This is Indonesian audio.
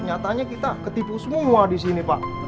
nyatanya kita ketipu semua disini pak